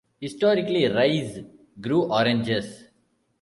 Historically, Rize grew oranges.